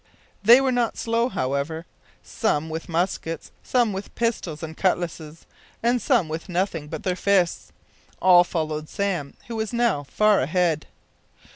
They were not slow, however. Some with muskets, some with pistols and cutlasses, and some with nothing but their fists all followed Sam, who was now far ahead.